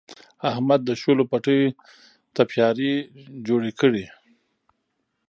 احمد د شولو پټیو تپیاري جوړې کړې.